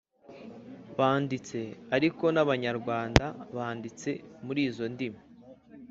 banditse ariko n’abanyarwanda banditse muri izo ndimi